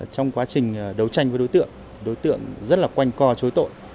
trong quá trình đấu tranh với đối tượng đối tượng rất là quanh co chối tội